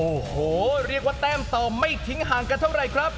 โอ้โหเรียกว่าแต้มต่อไม่ทิ้งห่างกันเท่าไหร่ครับ